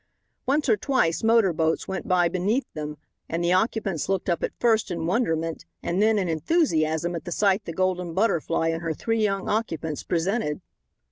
Once or twice motor boats went by beneath them, and the occupants looked up at first in wonderment and then in enthusiasm at the sight the Golden Butterfly and her three young occupants presented.